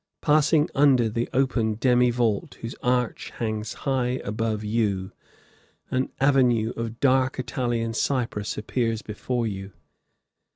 Passing under the open demi vault, whose arch hangs high above you, an avenue of dark Italian cypress appears before you.